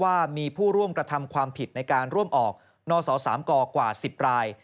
ว่ามีผู้ร่วมกระทำความผิดในการร่วมออกนส๓กกว่า๑๐ราย